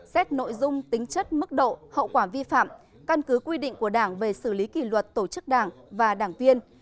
xét nội dung tính chất mức độ hậu quả vi phạm căn cứ quy định của đảng về xử lý kỷ luật tổ chức đảng và đảng viên